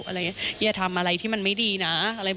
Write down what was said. อ่าเดี๋ยวฟองดูนะครับไม่เคยพูดนะครับ